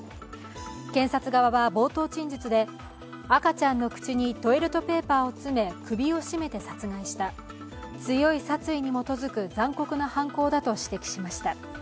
検察側は冒頭陳述で、赤ちゃんの口にトイレットペーパーを詰め、首を絞めて殺害した、強い殺意に基づく残酷な犯行だと指摘しました。